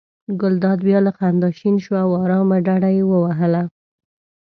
ګلداد بیا له خندا شین شو او آرامه ډډه یې ووهله.